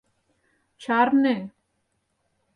Чарне.